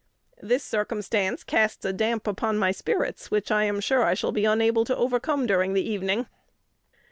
This circumstance casts a damp upon my spirits which I am sure I shall be unable to overcome during the evening.